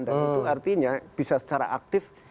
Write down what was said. dan itu artinya bisa secara aktif